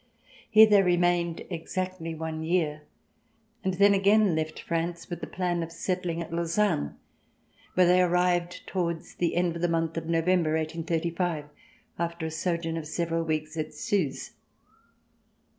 Here they remained exactly one year, and then again left France with the plan of settling at Lucerne, where they arrived towards the end of the month of No vember, 1835, after a sojourn of several weeks at Suze.